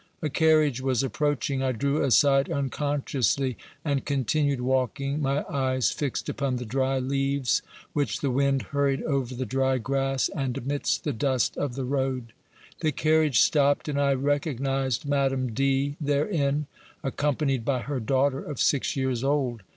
A carriage was approaching ; I drew aside unconsciously and continued walking, my eyes fixed upon the dry leaves which the wind hurried over the dry grass and amidst the dust of the road. The carriage stopped, and I recognised Madame D. therein, accom panied by her daughter of six years old.